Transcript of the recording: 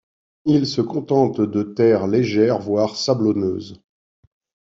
Il se contente de terre légère voire sablonneuse.